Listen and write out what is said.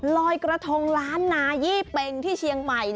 ลอยกระทงล้านนายี่เป็งที่เชียงใหม่